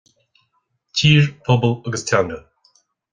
Tír, Pobal agus Teanga